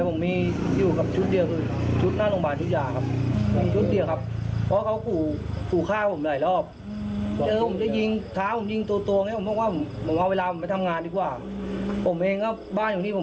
ผมก็วิ่งอยู่ชวนบุรี